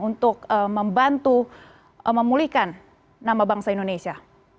untuk membantu memulihkan nama bangsa indonesia